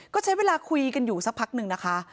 ก็ใช้เวลาคุยกันอยู่สักพักหนึ่งนะคะ